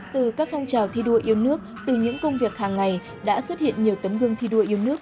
từ các phong trào thi đua yêu nước từ những công việc hàng ngày đã xuất hiện nhiều tấm gương thi đua yêu nước